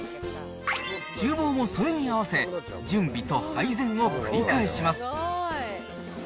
ちゅう房もそれに合わせ、準備と配膳を繰り返します。